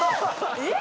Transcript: えっ？